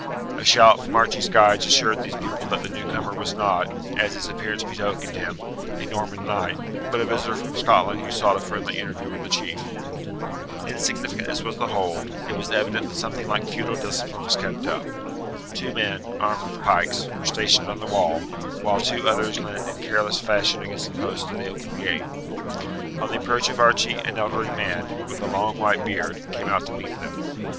A shout from Archie's guides assured these people that the newcomer was not, as his appearance betokened him, a Norman knight, but a visitor from Scotland who sought a friendly interview with the chief. Insignificant as was the hold, it was evident that something like feudal discipline was kept up. Two men, armed with pikes, were stationed on the wall, while two others leant in careless fashion against the posts of the open gate. On the approach of Archie an elderly man, with a long white beard, came out to meet them.